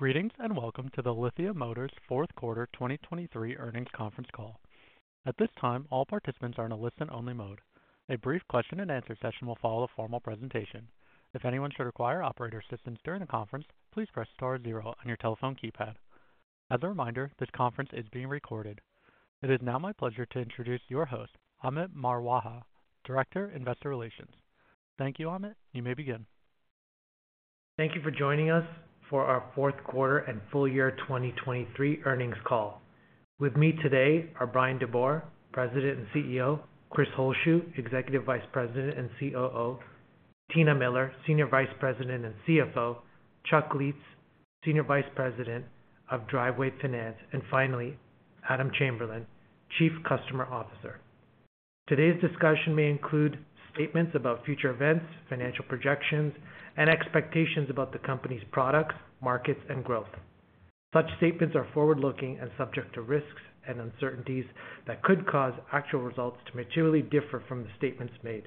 Greetings and welcome to the Lithia Motors Fourth Quarter 2023 Earnings Conference Call. At this time, all participants are in a listen-only mode. A brief question-and-answer session will follow the formal presentation. If anyone should require operator assistance during the conference, please press star zero on your telephone keypad. As a reminder, this conference is being recorded. It is now my pleasure to introduce your host, Amit Marwaha, Director, Investor Relations. Thank you, Amit. You may begin. Thank you for joining us for our Fourth Quarter And Full Year 2023 Earnings Call. With me today are Bryan DeBoer, President and CEO, Chris Holzshu, Executive Vice President and COO, Tina Miller, Senior Vice President and CFO, Chuck Lietz, Senior Vice President of Driveway Finance, and finally, Adam Chamberlain, Chief Customer Officer. Today's discussion may include statements about future events, financial projections, and expectations about the company's products, markets, and growth. Such statements are forward-looking and subject to risks and uncertainties that could cause actual results to materially differ from the statements made.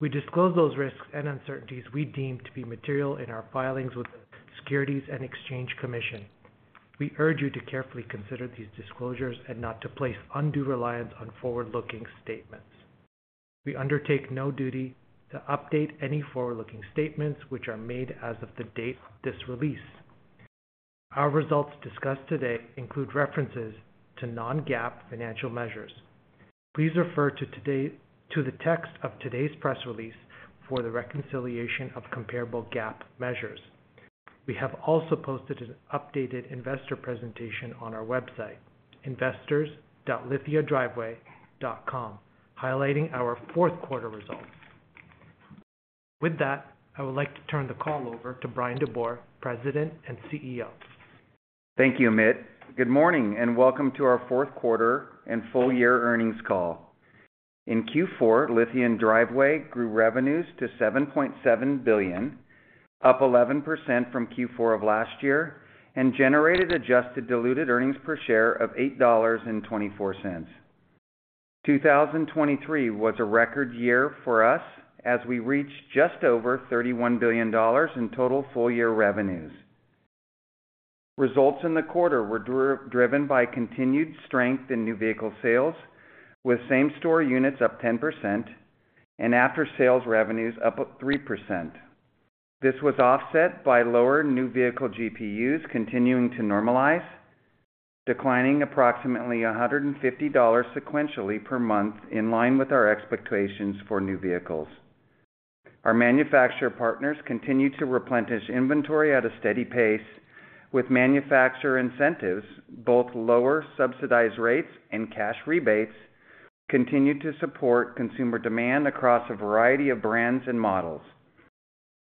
We disclose those risks and uncertainties we deem to be material in our filings with the Securities and Exchange Commission. We urge you to carefully consider these disclosures and not to place undue reliance on forward-looking statements. We undertake no duty to update any forward-looking statements which are made as of the date of this release. Our results discussed today include references to non-GAAP financial measures. Please refer to the text of today's press release for the reconciliation of comparable GAAP measures. We have also posted an updated investor presentation on our website, investors.lithiadriveway.com, highlighting our fourth quarter results. With that, I would like to turn the call over to Bryan DeBoer, President and CEO. Thank you, Amit. Good morning and welcome to our fourth quarter and full year earnings call. In Q4, Lithia and Driveway grew revenues to $7.7 billion, up 11% from Q4 of last year, and generated adjusted diluted earnings per share of $8.24. 2023 was a record year for us as we reached just over $31 billion in total full year revenues. Results in the quarter were driven by continued strength in new vehicle sales, with same-store units up 10% and after-sales revenues up 3%. This was offset by lower new vehicle GPUs continuing to normalize, declining approximately $150 sequentially per month in line with our expectations for new vehicles. Our manufacturer partners continue to replenish inventory at a steady pace, with manufacturer incentives, both lower subsidized rates and cash rebates, continue to support consumer demand across a variety of brands and models.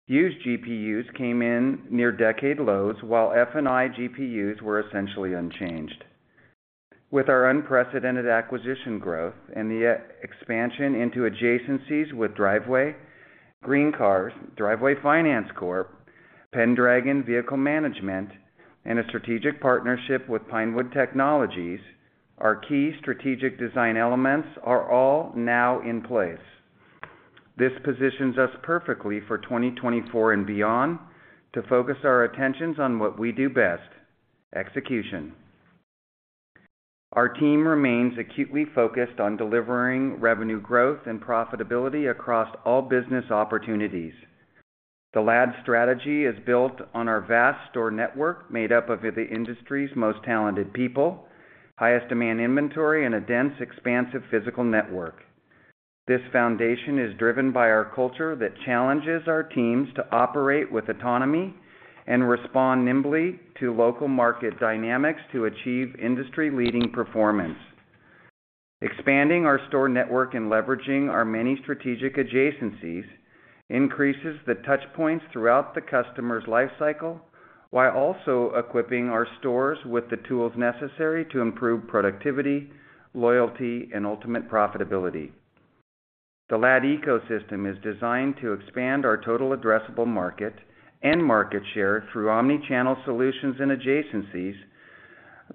Used GPUs came in near-decade lows while F&I GPUs were essentially unchanged. With our unprecedented acquisition growth and the expansion into adjacencies with Driveway, GreenCars, Driveway Finance Corp, Pendragon Vehicle Management, and a strategic partnership with Pinewood Technologies, our key strategic design elements are all now in place. This positions us perfectly for 2024 and beyond to focus our attentions on what we do best: execution. Our team remains acutely focused on delivering revenue growth and profitability across all business opportunities. The LAD strategy is built on our vast store network made up of the industry's most talented people, highest demand inventory, and a dense, expansive physical network. This foundation is driven by our culture that challenges our teams to operate with autonomy and respond nimbly to local market dynamics to achieve industry-leading performance. Expanding our store network and leveraging our many strategic adjacencies increases the touchpoints throughout the customer's lifecycle while also equipping our stores with the tools necessary to improve productivity, loyalty, and ultimate profitability. The LAD ecosystem is designed to expand our total addressable market and market share through omnichannel solutions and adjacencies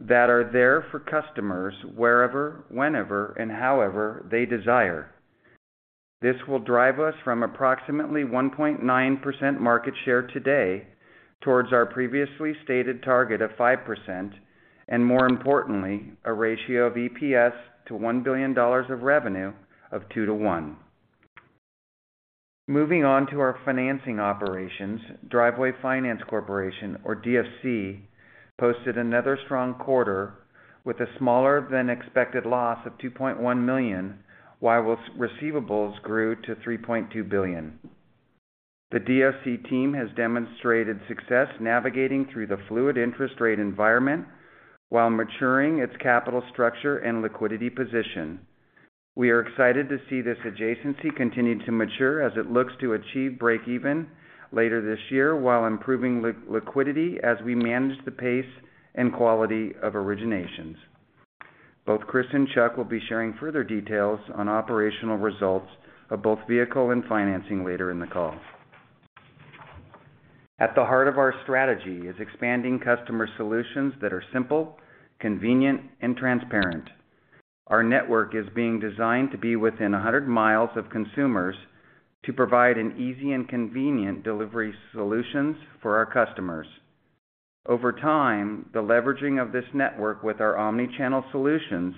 that are there for customers wherever, whenever, and however they desire. This will drive us from approximately 1.9% market share today towards our previously stated target of 5% and, more importantly, a ratio of EPS to $1 billion of revenue of 2:1. Moving on to our financing operations, Driveway Finance Corporation, or DFC, posted another strong quarter with a smaller-than-expected loss of $2.1 million while receivables grew to $3.2 billion. The DFC team has demonstrated success navigating through the fluid interest rate environment while maturing its capital structure and liquidity position. We are excited to see this adjacency continue to mature as it looks to achieve break-even later this year while improving liquidity as we manage the pace and quality of originations. Both Chris and Chuck will be sharing further details on operational results of both vehicle and financing later in the call. At the heart of our strategy is expanding customer solutions that are simple, convenient, and transparent. Our network is being designed to be within 100 miles of consumers to provide easy and convenient delivery solutions for our customers. Over time, the leveraging of this network with our omnichannel solutions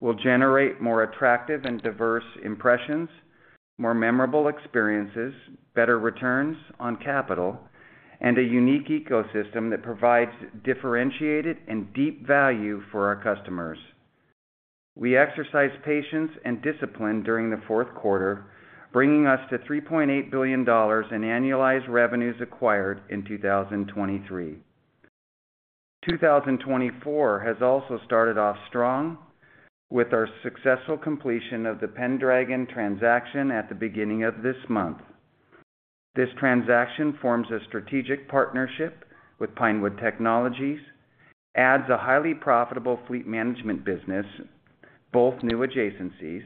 will generate more attractive and diverse impressions, more memorable experiences, better returns on capital, and a unique ecosystem that provides differentiated and deep value for our customers. We exercise patience and discipline during the fourth quarter, bringing us to $3.8 billion in annualized revenues acquired in 2023. 2024 has also started off strong, with our successful completion of the Pendragon transaction at the beginning of this month. This transaction forms a strategic partnership with Pinewood Technologies, adds a highly profitable fleet management business, both new adjacencies,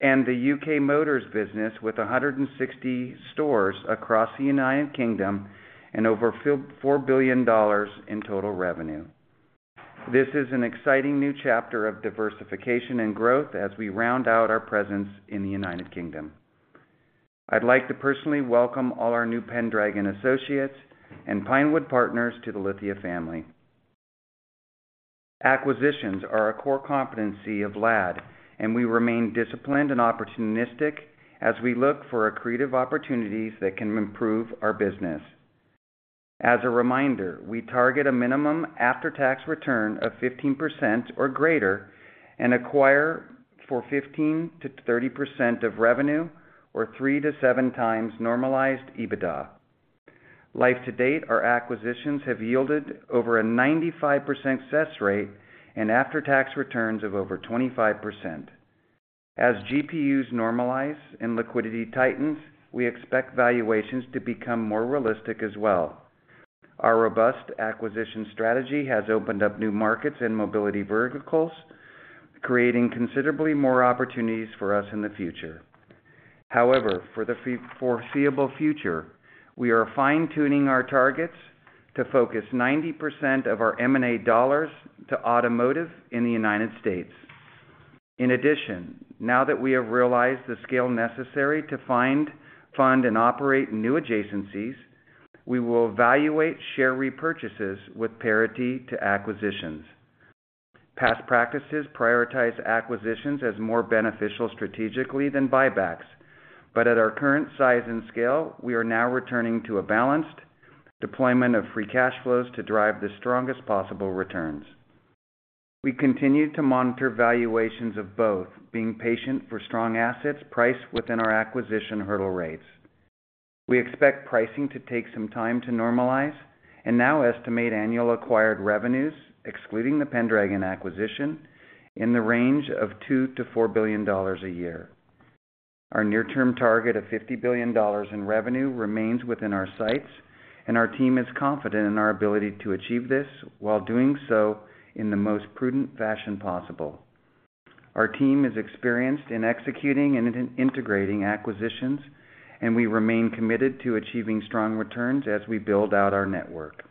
and the U.K. Motors business with 160 stores across the United Kingdom and over $4 billion in total revenue. This is an exciting new chapter of diversification and growth as we round out our presence in the United Kingdom. I'd like to personally welcome all our new Pendragon associates and Pinewood partners to the Lithia family. Acquisitions are a core competency of LAD, and we remain disciplined and opportunistic as we look for creative opportunities that can improve our business. As a reminder, we target a minimum after-tax return of 15% or greater and acquire for 15%-30% of revenue or 3x-7x normalized EBITDA. To date, our acquisitions have yielded over a 95% success rate and after-tax returns of over 25%. As GPUs normalize and liquidity tightens, we expect valuations to become more realistic as well. Our robust acquisition strategy has opened up new markets and mobility verticals, creating considerably more opportunities for us in the future. However, for the foreseeable future, we are fine-tuning our targets to focus 90% of our M&A dollars to automotive in the United States. In addition, now that we have realized the scale necessary to find, fund, and operate new adjacencies, we will evaluate share repurchases with parity to acquisitions. Past practices prioritize acquisitions as more beneficial strategically than buybacks, but at our current size and scale, we are now returning to a balanced deployment of free cash flows to drive the strongest possible returns. We continue to monitor valuations of both, being patient for strong assets priced within our acquisition hurdle rates. We expect pricing to take some time to normalize and now estimate annual acquired revenues, excluding the Pendragon acquisition, in the range of $2 billion-$4 billion a year. Our near-term target of $50 billion in revenue remains within our sights, and our team is confident in our ability to achieve this while doing so in the most prudent fashion possible. Our team is experienced in executing and integrating acquisitions, and we remain committed to achieving strong returns as we build out our network.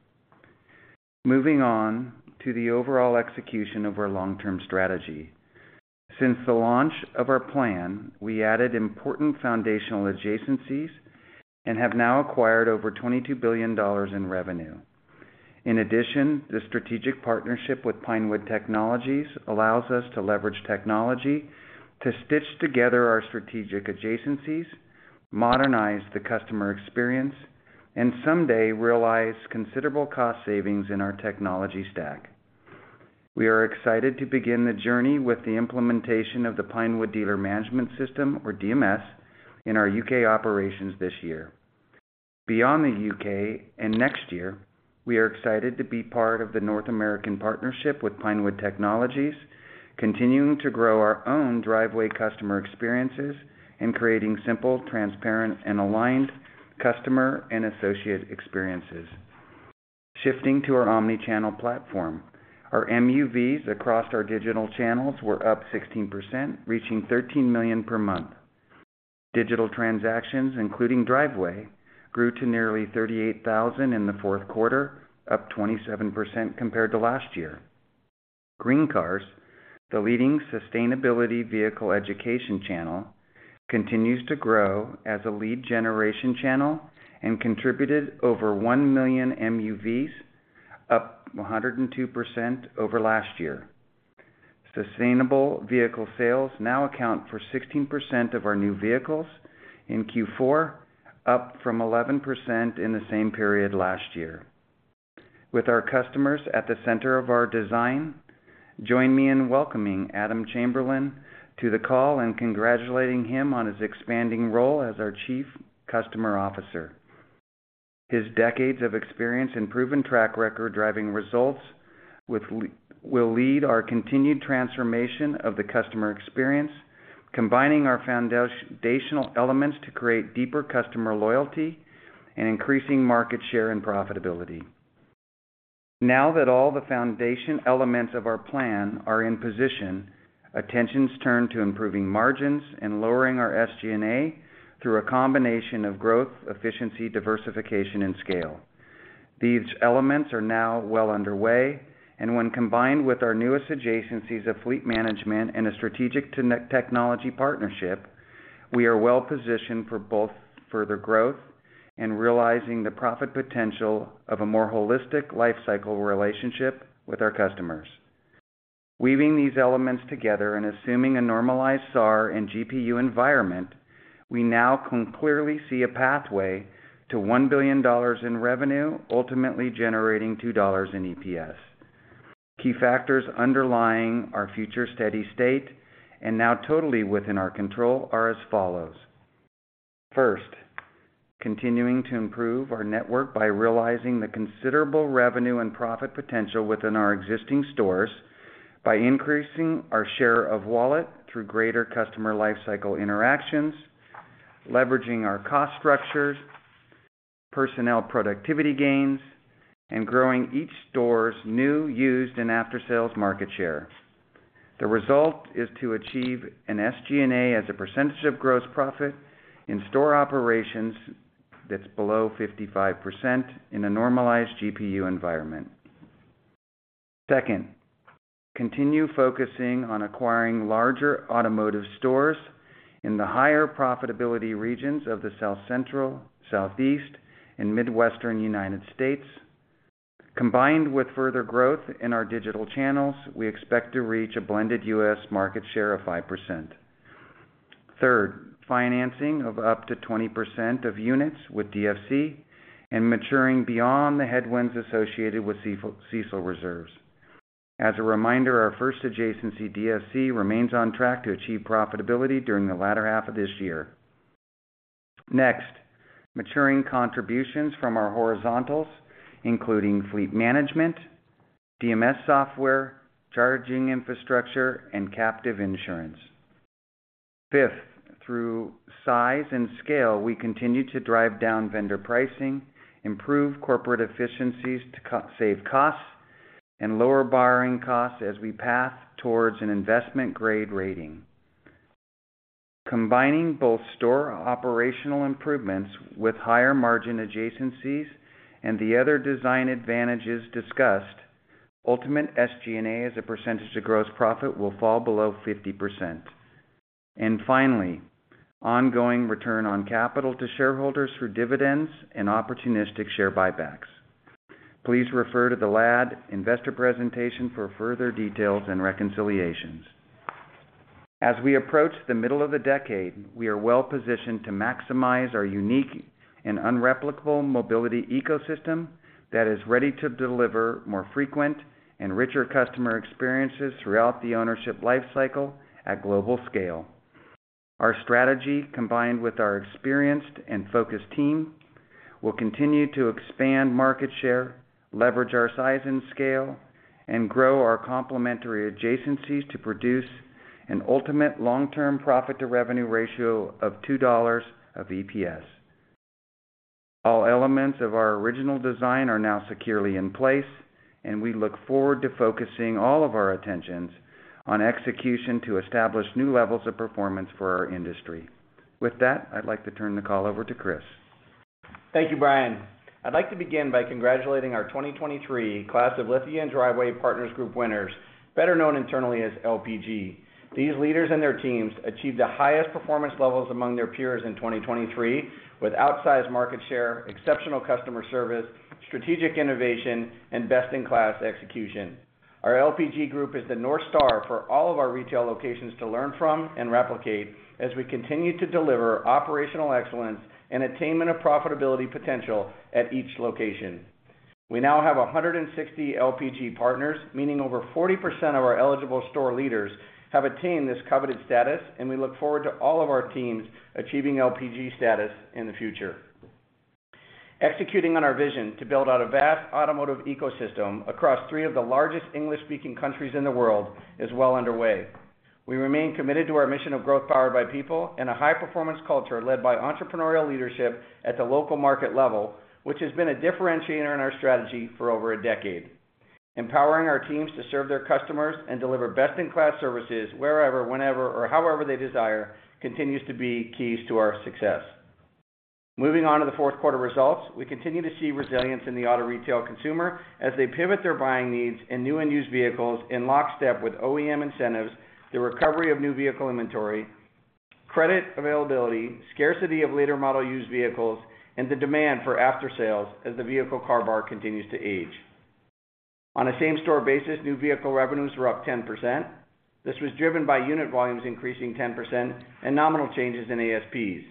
Moving on to the overall execution of our long-term strategy. Since the launch of our plan, we added important foundational adjacencies and have now acquired over $22 billion in revenue. In addition, the strategic partnership with Pinewood Technologies allows us to leverage technology to stitch together our strategic adjacencies, modernize the customer experience, and someday realize considerable cost savings in our technology stack. We are excited to begin the journey with the implementation of the Pinewood Dealer Management System, or DMS, in our U.K. operations this year. Beyond the U.K. and next year, we are excited to be part of the North American partnership with Pinewood Technologies, continuing to grow our own Driveway customer experiences and creating simple, transparent, and aligned customer and associate experiences. Shifting to our omnichannel platform, our MUVs across our digital channels were up 16%, reaching 13 million per month. Digital transactions, including Driveway, grew to nearly 38,000 in the fourth quarter, up 27% compared to last year. GreenCars, the leading sustainability vehicle education channel, continues to grow as a lead generation channel and contributed over 1 million MUVs, up 102% over last year. Sustainable vehicle sales now account for 16% of our new vehicles in Q4, up from 11% in the same period last year. With our customers at the center of our design, join me in welcoming Adam Chamberlain to the call and congratulating him on his expanding role as our Chief Customer Officer. His decades of experience and proven track record driving results will lead our continued transformation of the customer experience, combining our foundational elements to create deeper customer loyalty and increasing market share and profitability. Now that all the foundation elements of our plan are in position, attention is turned to improving margins and lowering our SG&A through a combination of growth, efficiency, diversification, and scale. These elements are now well underway, and when combined with our newest adjacencies of fleet management and a strategic technology partnership, we are well positioned for both further growth and realizing the profit potential of a more holistic lifecycle relationship with our customers. Weaving these elements together and assuming a normalized SAR and GPU environment, we now clearly see a pathway to $1 billion in revenue, ultimately generating $2 in EPS. Key factors underlying our future steady state and now totally within our control are as follows. First, continuing to improve our network by realizing the considerable revenue and profit potential within our existing stores by increasing our share of wallet through greater customer lifecycle interactions, leveraging our cost structures, personnel productivity gains, and growing each store's new, used, and after-sales market share. The result is to achieve an SG&A as a percentage of gross profit in store operations that's below 55% in a normalized GPU environment. Second, continue focusing on acquiring larger automotive stores in the higher profitability regions of the South Central, Southeast, and Midwestern United States. Combined with further growth in our digital channels, we expect to reach a blended U.S. market share of 5%. Third, financing of up to 20% of units with DFC and maturing beyond the headwinds associated with CECL reserves. As a reminder, our first adjacency DFC remains on track to achieve profitability during the latter half of this year. Next, maturing contributions from our horizontals, including fleet management, DMS software, charging infrastructure, and captive insurance. Fifth, through size and scale, we continue to drive down vendor pricing, improve corporate efficiencies to save costs, and lower borrowing costs as we path towards an investment-grade rating. Combining both store operational improvements with higher margin adjacencies and the other design advantages discussed, ultimate SG&A as a percentage of gross profit will fall below 50%. And finally, ongoing return on capital to shareholders through dividends and opportunistic share buybacks. Please refer to the LAD investor presentation for further details and reconciliations. As we approach the middle of the decade, we are well positioned to maximize our unique and unreplicable mobility ecosystem that is ready to deliver more frequent and richer customer experiences throughout the ownership lifecycle at global scale. Our strategy, combined with our experienced and focused team, will continue to expand market share, leverage our size and scale, and grow our complementary adjacencies to produce an ultimate long-term profit-to-revenue ratio of $2 of EPS. All elements of our original design are now securely in place, and we look forward to focusing all of our attentions on execution to establish new levels of performance for our industry. With that, I'd like to turn the call over to Chris. Thank you, Bryan. I'd like to begin by congratulating our 2023 Class of Lithia and Driveway Partners Group winners, better known internally as LPG. These leaders and their teams achieved the highest performance levels among their peers in 2023 with outsized market share, exceptional customer service, strategic innovation, and best-in-class execution. Our LPG group is the North Star for all of our retail locations to learn from and replicate as we continue to deliver operational excellence and attainment of profitability potential at each location. We now have 160 LPG partners, meaning over 40% of our eligible store leaders have attained this coveted status, and we look forward to all of our teams achieving LPG status in the future. Executing on our vision to build out a vast automotive ecosystem across three of the largest English-speaking countries in the world is well underway. We remain committed to our mission of growth powered by people and a high-performance culture led by entrepreneurial leadership at the local market level, which has been a differentiator in our strategy for over a decade. Empowering our teams to serve their customers and deliver best-in-class services wherever, whenever, or however they desire continues to be keys to our success. Moving on to the fourth quarter results, we continue to see resilience in the auto retail consumer as they pivot their buying needs in new and used vehicles in lockstep with OEM incentives, the recovery of new vehicle inventory, credit availability, scarcity of later model used vehicles, and the demand for after-sales as the vehicle car park continues to age. On a same-store basis, new vehicle revenues were up 10%. This was driven by unit volumes increasing 10% and nominal changes in ASPs.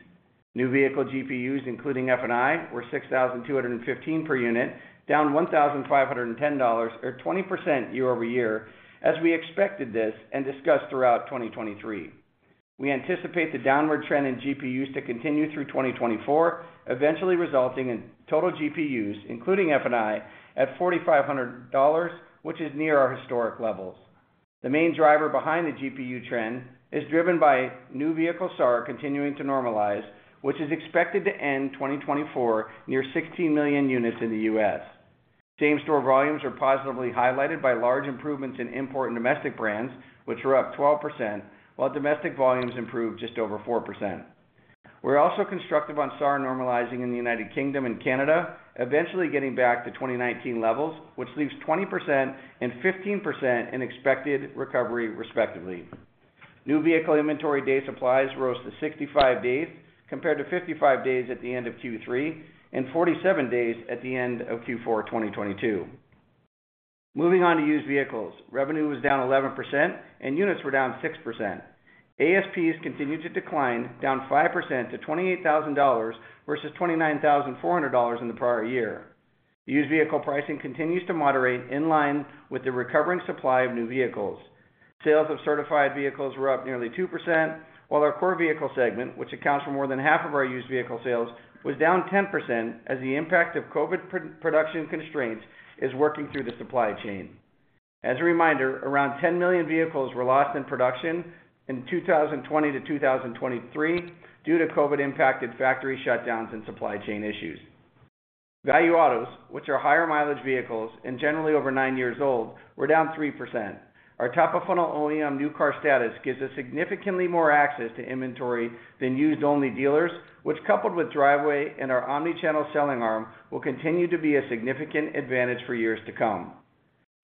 New vehicle GPUs, including F&I, were 6,215 per unit, down $1,510 or 20% year-over-year as we expected this and discussed throughout 2023. We anticipate the downward trend in GPUs to continue through 2024, eventually resulting in total GPUs, including F&I, at $4,500, which is near our historic levels. The main driver behind the GPU trend is driven by new vehicle SAR continuing to normalize, which is expected to end 2024 near 16 million units in the U.S. Same-store volumes are positively highlighted by large improvements in import and domestic brands, which were up 12%, while domestic volumes improved just over 4%. We're also constructive on SAR normalizing in the United Kingdom and Canada, eventually getting back to 2019 levels, which leaves 20% and 15% in expected recovery, respectively. New vehicle inventory day supplies rose to 65 days compared to 55 days at the end of Q3 and 47 days at the end of Q4 2022. Moving on to used vehicles, revenue was down 11%, and units were down 6%. ASPs continued to decline, down 5% to $28,000 versus $29,400 in the prior year. Used vehicle pricing continues to moderate in line with the recovering supply of new vehicles. Sales of certified vehicles were up nearly 2%, while our core vehicle segment, which accounts for more than half of our used vehicle sales, was down 10% as the impact of COVID production constraints is working through the supply chain. As a reminder, around 10 million vehicles were lost in production in 2020 to 2023 due to COVID-impacted factory shutdowns and supply chain issues. Value autos, which are higher mileage vehicles and generally over nine years old, were down 3%. Our top-of-funnel OEM new car status gives us significantly more access to inventory than used-only dealers, which, coupled with Driveway and our omnichannel selling arm, will continue to be a significant advantage for years to come.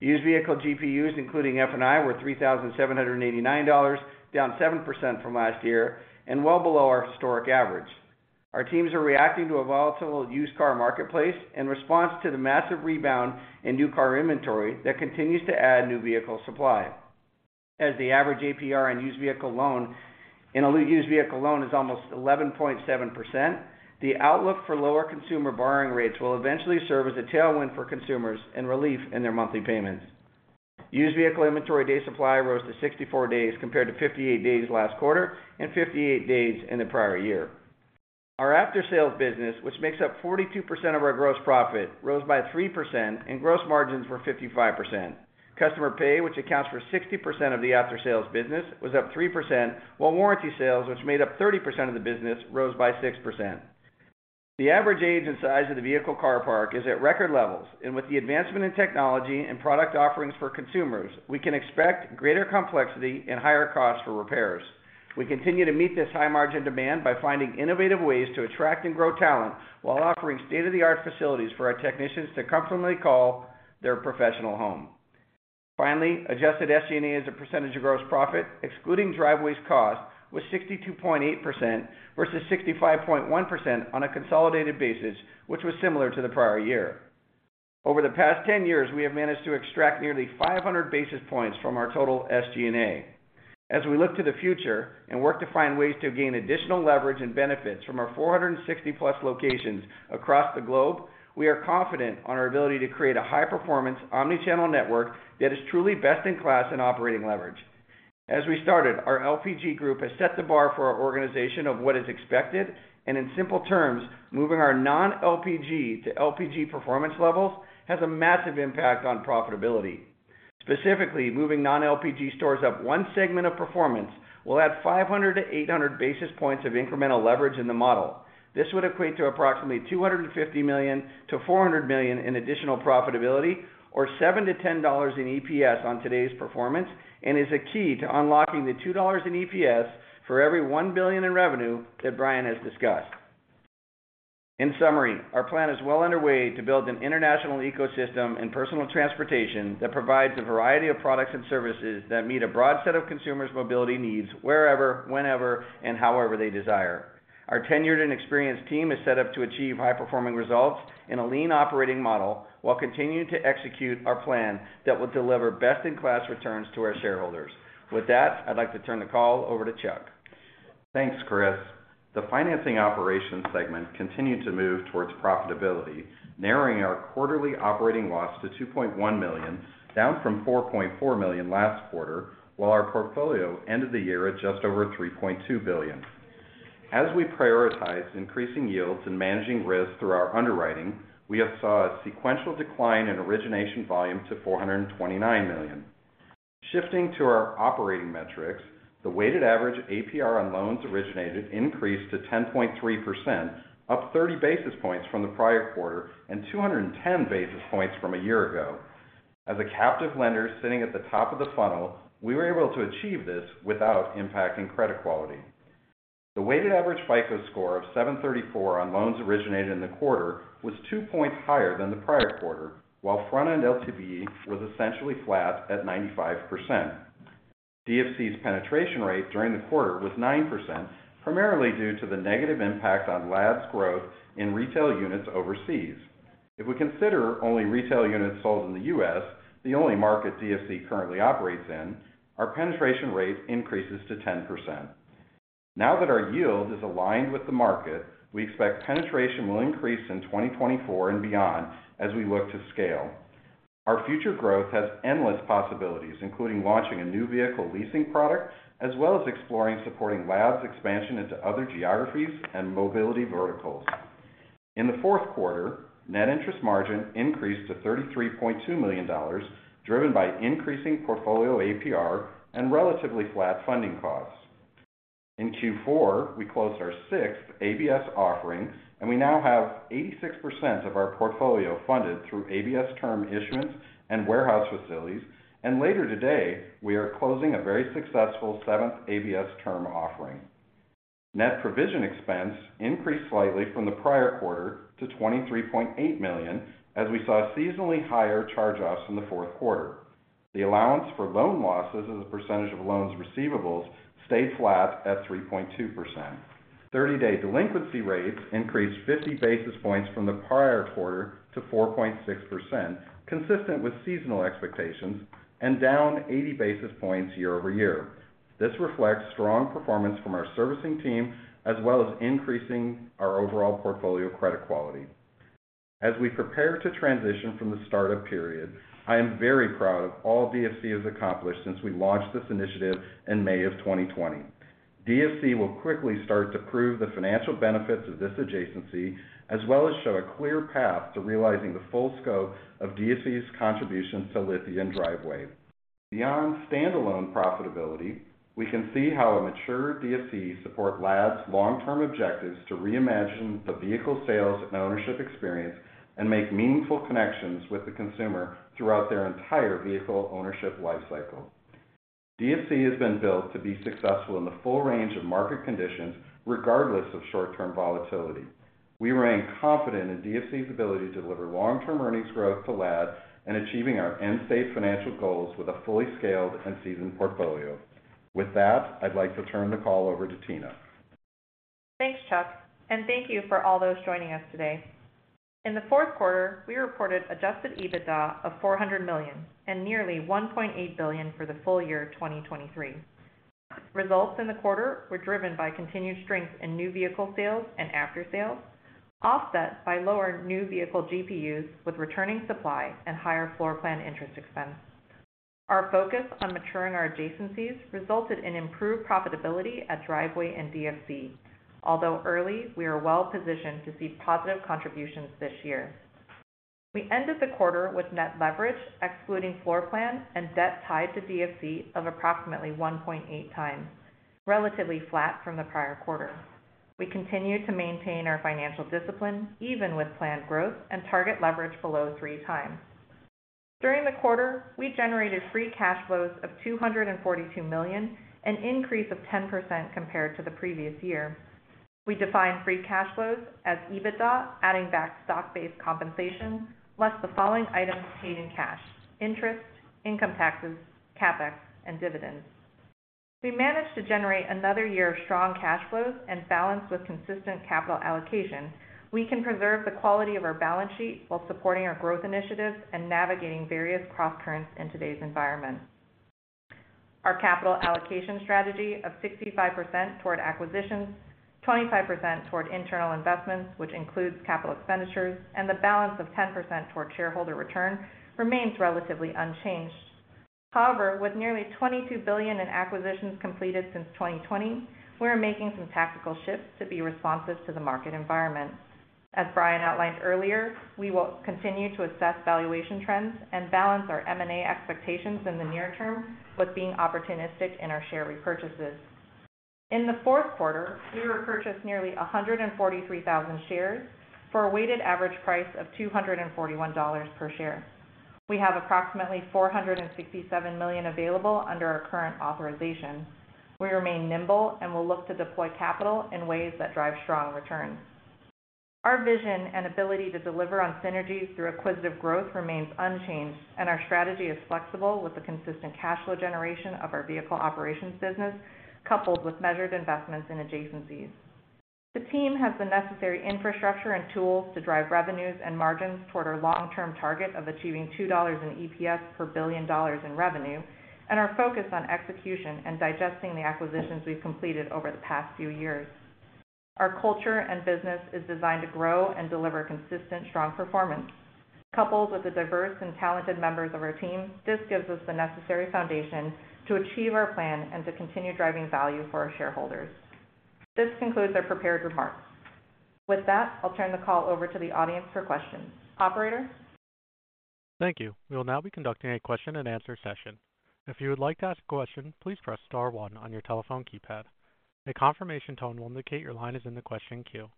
Used vehicle GPUs, including F&I, were $3,789, down 7% from last year and well below our historic average. Our teams are reacting to a volatile used car marketplace in response to the massive rebound in new car inventory that continues to add new vehicle supply. As the average APR in a used vehicle loan is almost 11.7%, the outlook for lower consumer borrowing rates will eventually serve as a tailwind for consumers and relief in their monthly payments. Used vehicle inventory day supply rose to 64 days compared to 58 days last quarter and 58 days in the prior year. Our after-sales business, which makes up 42% of our gross profit, rose by 3%, and gross margins were 55%. Customer pay, which accounts for 60% of the after-sales business, was up 3%, while warranty sales, which made up 30% of the business, rose by 6%. The average age and size of the vehicle car park is at record levels, and with the advancement in technology and product offerings for consumers, we can expect greater complexity and higher costs for repairs. We continue to meet this high-margin demand by finding innovative ways to attract and grow talent while offering state-of-the-art facilities for our technicians to comfortably call their professional home. Finally, adjusted SG&A as a percentage of gross profit, excluding Driveway's cost, was 62.8% versus 65.1% on a consolidated basis, which was similar to the prior year. Over the past 10 years, we have managed to extract nearly 500 basis points from our total SG&A. As we look to the future and work to find ways to gain additional leverage and benefits from our 460+ locations across the globe, we are confident in our ability to create a high-performance omnichannel network that is truly best-in-class in operating leverage. As we started, our LPG group has set the bar for our organization of what is expected, and in simple terms, moving our non-LPG to LPG performance levels has a massive impact on profitability. Specifically, moving non-LPG stores up one segment of performance will add 500-800 basis points of incremental leverage in the model. This would equate to approximately $250 million-$400 million in additional profitability or $7-$10 in EPS on today's performance and is a key to unlocking the $2 in EPS for every $1 billion in revenue that Bryan has discussed. In summary, our plan is well underway to build an international ecosystem in personal transportation that provides a variety of products and services that meet a broad set of consumers' mobility needs wherever, whenever, and however they desire. Our tenured and experienced team is set up to achieve high-performing results in a lean operating model while continuing to execute our plan that will deliver best-in-class returns to our shareholders. With that, I'd like to turn the call over to Chuck. Thanks, Chris. The financing operations segment continued to move towards profitability, narrowing our quarterly operating loss to $2.1 million, down from $4.4 million last quarter, while our portfolio ended the year at just over $3.2 billion. As we prioritized increasing yields and managing risk through our underwriting, we saw a sequential decline in origination volume to $429 million. Shifting to our operating metrics, the weighted average APR on loans originated increased to 10.3%, up 30 basis points from the prior quarter and 210 basis points from a year ago. As a captive lender sitting at the top of the funnel, we were able to achieve this without impacting credit quality. The weighted average FICO score of 734 on loans originated in the quarter was two points higher than the prior quarter, while front-end LTV was essentially flat at 95%. DFC's penetration rate during the quarter was 9%, primarily due to the negative impact on LAD's growth in retail units overseas. If we consider only retail units sold in the U.S., the only market DFC currently operates in, our penetration rate increases to 10%. Now that our yield is aligned with the market, we expect penetration will increase in 2024 and beyond as we look to scale. Our future growth has endless possibilities, including launching a new vehicle leasing product as well as exploring supporting LAD's expansion into other geographies and mobility verticals. In the fourth quarter, net interest margin increased to $33.2 million, driven by increasing portfolio APR and relatively flat funding costs. In Q4, we closed our sixth ABS offering, and we now have 86% of our portfolio funded through ABS term issuance and warehouse facilities. Later today, we are closing a very successful seventh ABS term offering. Net provision expense increased slightly from the prior quarter to $23.8 million as we saw seasonally higher charge-offs in the fourth quarter. The allowance for loan losses as a percentage of loans receivables stayed flat at 3.2%. 30-day delinquency rates increased 50 basis points from the prior quarter to 4.6%, consistent with seasonal expectations, and down 80 basis points year-over-year. This reflects strong performance from our servicing team as well as increasing our overall portfolio credit quality. As we prepare to transition from the startup period, I am very proud of all DFC has accomplished since we launched this initiative in May of 2020. DFC will quickly start to prove the financial benefits of this adjacency as well as show a clear path to realizing the full scope of DFC's contributions to Lithia and Driveway. Beyond standalone profitability, we can see how a mature DFC supports LAD's long-term objectives to reimagine the vehicle sales and ownership experience and make meaningful connections with the consumer throughout their entire vehicle ownership lifecycle. DFC has been built to be successful in the full range of market conditions, regardless of short-term volatility. We remain confident in DFC's ability to deliver long-term earnings growth to LAD and achieving our end-state financial goals with a fully scaled and seasoned portfolio. With that, I'd like to turn the call over to Tina. Thanks, Chuck, and thank you for all those joining us today. In the fourth quarter, we reported adjusted EBITDA of $400 million and nearly $1.8 billion for the full year 2023. Results in the quarter were driven by continued strength in new vehicle sales and after-sales, offset by lower new vehicle GPUs with returning supply and higher floor plan interest expense. Our focus on maturing our adjacencies resulted in improved profitability at Driveway and DFC, although early, we are well positioned to see positive contributions this year. We ended the quarter with net leverage, excluding floor plan, and debt tied to DFC of approximately 1.8x, relatively flat from the prior quarter. We continue to maintain our financial discipline even with planned growth and target leverage below 3x. During the quarter, we generated free cash flows of $242 million, an increase of 10% compared to the previous year. We define free cash flows as EBITDA adding back stock-based compensation less the following items paid in cash: interest, income taxes, CapEx, and dividends. We managed to generate another year of strong cash flows and balance with consistent capital allocation. We can preserve the quality of our balance sheet while supporting our growth initiatives and navigating various cross-currents in today's environment. Our capital allocation strategy of 65% toward acquisitions, 25% toward internal investments, which includes capital expenditures, and the balance of 10% toward shareholder return remains relatively unchanged. However, with nearly $22 billion in acquisitions completed since 2020, we are making some tactical shifts to be responsive to the market environment. As Bryan outlined earlier, we will continue to assess valuation trends and balance our M&A expectations in the near term with being opportunistic in our share repurchases. In the fourth quarter, we repurchased nearly 143,000 shares for a weighted average price of $241 per share. We have approximately 467 million available under our current authorization. We remain nimble and will look to deploy capital in ways that drive strong returns. Our vision and ability to deliver on synergies through acquisitive growth remains unchanged, and our strategy is flexible with the consistent cash flow generation of our vehicle operations business coupled with measured investments in adjacencies. The team has the necessary infrastructure and tools to drive revenues and margins toward our long-term target of achieving $2 in EPS per $1 billion in revenue and our focus on execution and digesting the acquisitions we've completed over the past few years. Our culture and business is designed to grow and deliver consistent, strong performance. Coupled with the diverse and talented members of our team, this gives us the necessary foundation to achieve our plan and to continue driving value for our shareholders. This concludes our prepared remarks. With that, I'll turn the call over to the audience for questions. Operator? Thank you. We will now be conducting a question-and-answer session. If you would like to ask a question, please press star one on your telephone keypad. A confirmation tone will indicate your line is in the question queue.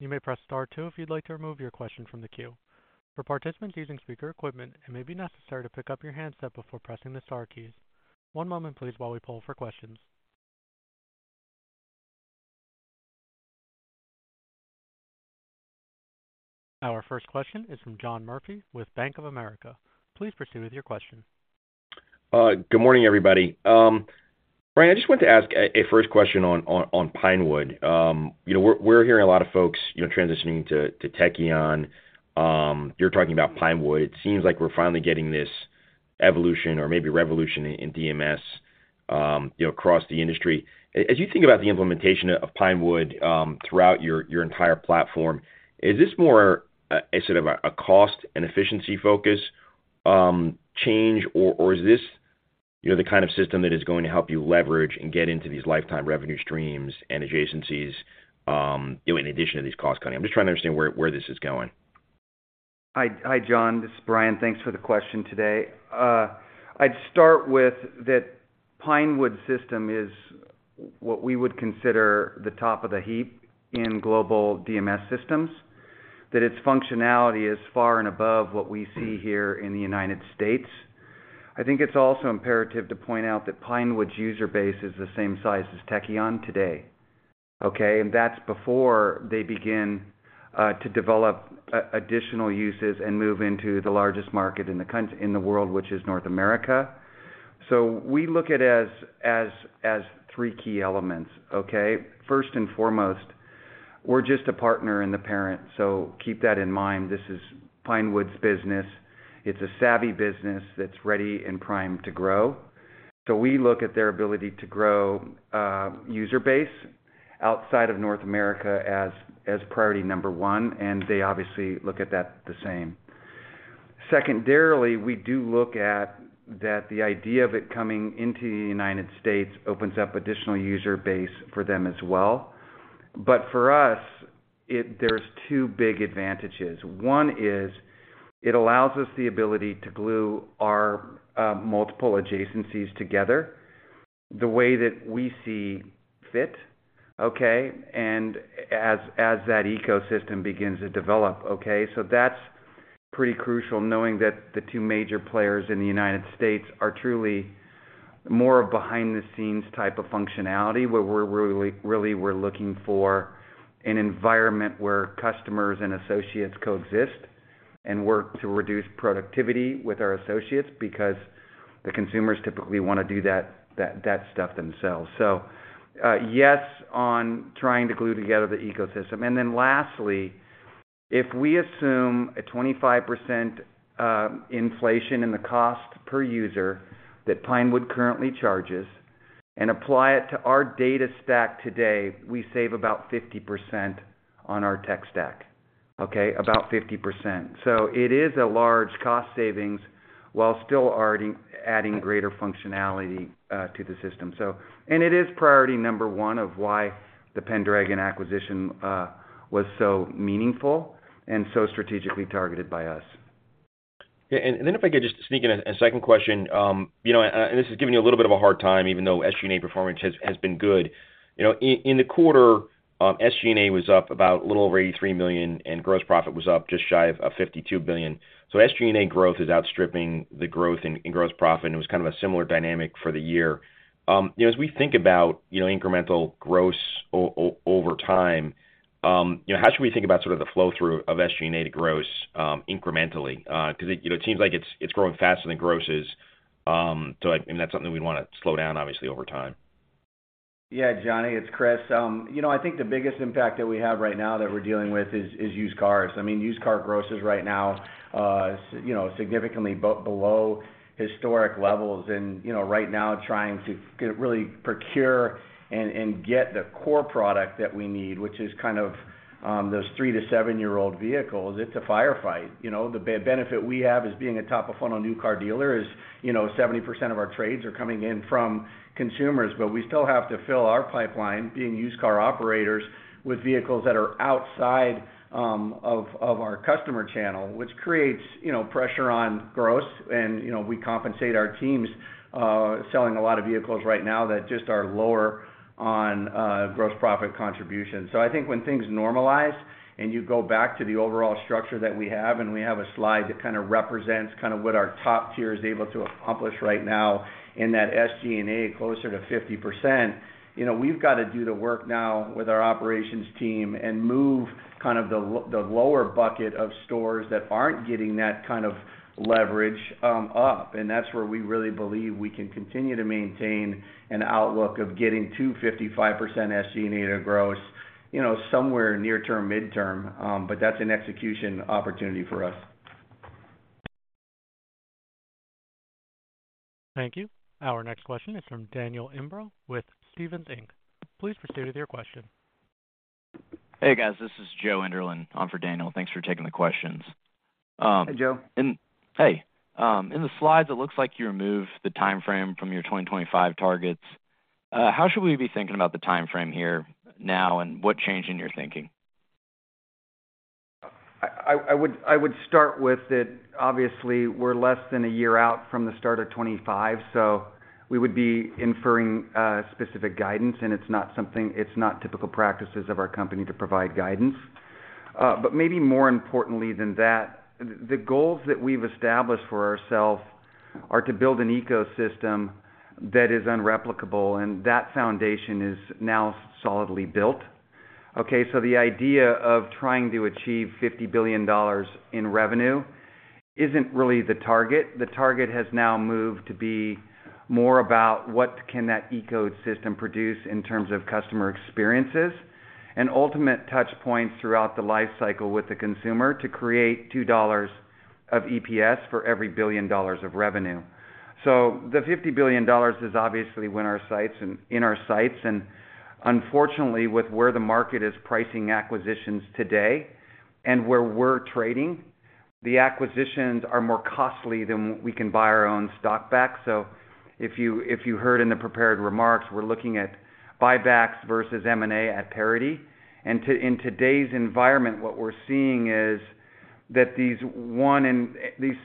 You may press star two if you'd like to remove your question from the queue. For participants using speaker equipment, it may be necessary to pick up your handset before pressing the star keys. One moment, please, while we pull for questions. Our first question is from John Murphy with Bank of America. Please proceed with your question. Good morning, everybody. Bryan, I just wanted to ask a first question on Pinewood. We're hearing a lot of folks transitioning to Tekion. You're talking about Pinewood. It seems like we're finally getting this evolution or maybe revolution in DMS across the industry. As you think about the implementation of Pinewood throughout your entire platform, is this more a sort of a cost and efficiency focus change, or is this the kind of system that is going to help you leverage and get into these lifetime revenue streams and adjacencies in addition to these cost cutting? I'm just trying to understand where this is going. Hi, John. This is Bryan. Thanks for the question today. I'd start with that Pinewood system is what we would consider the top of the heap in global DMS systems, that its functionality is far and above what we see here in the United States. I think it's also imperative to point out that Pinewood's user base is the same size as Tekion today, and that's before they begin to develop additional uses and move into the largest market in the world, which is North America. So we look at it as three key elements. First and foremost, we're just a partner and the parent, so keep that in mind. This is Pinewood's business. It's a savvy business that's ready and primed to grow. So we look at their ability to grow user base outside of North America as priority number one, and they obviously look at that the same. Secondarily, we do look at the idea of it coming into the United States opens up additional user base for them as well. But for us, there's two big advantages. One is it allows us the ability to glue our multiple adjacencies together the way that we see fit and as that ecosystem begins to develop. So that's pretty crucial, knowing that the two major players in the United States are truly more of a behind-the-scenes type of functionality where really we're looking for an environment where customers and associates coexist and work to reduce productivity with our associates because the consumers typically want to do that stuff themselves. So yes on trying to glue together the ecosystem. Then lastly, if we assume a 25% inflation in the cost per user that Pinewood currently charges and apply it to our data stack today, we save about 50% on our tech stack, about 50%. It is a large cost savings while still adding greater functionality to the system. It is priority number one of why the Pendragon acquisition was so meaningful and so strategically targeted by us. And then if I could just sneak in a second question, and this has given you a little bit of a hard time even though SG&A performance has been good. In the quarter, SG&A was up about a little over $83 million and gross profit was up just shy of $52 billion. So SG&A growth is outstripping the growth in gross profit, and it was kind of a similar dynamic for the year. As we think about incremental gross over time, how should we think about sort of the flow-through of SG&A to gross incrementally? Because it seems like it's growing faster than gross is, so that's something we'd want to slow down, obviously, over time. Yeah, Johnny. It's Chris. I think the biggest impact that we have right now that we're dealing with is used cars. I mean, used car gross is right now significantly below historic levels. And right now, trying to really procure and get the core product that we need, which is kind of those three to seven-year-old vehicles, it's a firefight. The benefit we have as being a top-of-funnel new car dealer is 70% of our trades are coming in from consumers, but we still have to fill our pipeline being used car operators with vehicles that are outside of our customer channel, which creates pressure on gross. And we compensate our teams selling a lot of vehicles right now that just are lower on gross profit contributions. I think when things normalize and you go back to the overall structure that we have - and we have a slide that kind of represents kind of what our top tier is able to accomplish right now in that SG&A closer to 50% - we've got to do the work now with our operations team and move kind of the lower bucket of stores that aren't getting that kind of leverage up. That's where we really believe we can continue to maintain an outlook of getting to 55% SG&A to gross somewhere near-term, mid-term, but that's an execution opportunity for us. Thank you. Our next question is from Daniel Imbro with Stephens Inc. Please proceed with your question. Hey, guys. This is Joe Enderlin on for Daniel. Thanks for taking the questions. Hey, Joe. Hey. In the slides, it looks like you removed the timeframe from your 2025 targets. How should we be thinking about the timeframe here now, and what change in your thinking? I would start with that, obviously, we're less than a year out from the start of 2025, so we would be inferring specific guidance, and it's not typical practices of our company to provide guidance. But maybe more importantly than that, the goals that we've established for ourselves are to build an ecosystem that is unreplicable, and that foundation is now solidly built. So the idea of trying to achieve $50 billion in revenue isn't really the target. The target has now moved to be more about what can that ecosystem produce in terms of customer experiences and ultimate touchpoints throughout the lifecycle with the consumer to create $2 of EPS for every billion dollars of revenue. So the $50 billion is obviously in our sights. Unfortunately, with where the market is pricing acquisitions today and where we're trading, the acquisitions are more costly than we can buy our own stock back. So if you heard in the prepared remarks, we're looking at buybacks versus M&A at parity. And in today's environment, what we're seeing is that these